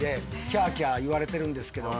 キャーキャー言われてるんですけど。